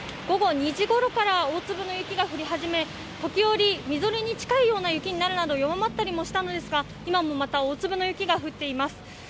午後２時ごろから大粒の雪が降り始め、時折みぞれに近いような雪になるなど弱まったりもしたのですが、今もまた大粒の雪が降っています。